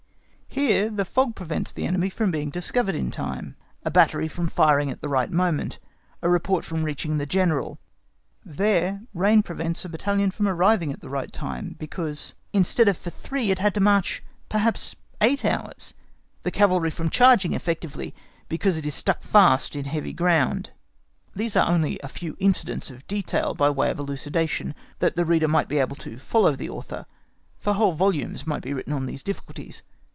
Here the fog prevents the enemy from being discovered in time, a battery from firing at the right moment, a report from reaching the General; there the rain prevents a battalion from arriving at the right time, because instead of for three it had to march perhaps eight hours; the cavalry from charging effectively because it is stuck fast in heavy ground. These are only a few incidents of detail by way of elucidation, that the reader may be able to follow the author, for whole volumes might be written on these difficulties.